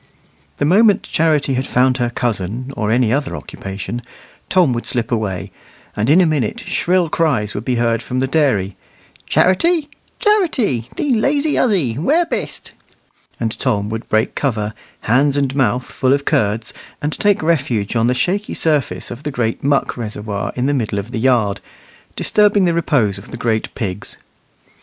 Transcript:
The moment Charity had found her cousin, or any other occupation, Tom would slip away; and in a minute shrill cries would be heard from the dairy, "Charity, Charity, thee lazy huzzy, where bist?" and Tom would break cover, hands and mouth full of curds, and take refuge on the shaky surface of the great muck reservoir in the middle of the yard, disturbing the repose of the great pigs.